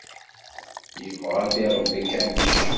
Yebɣa ad iṛebbi akanic.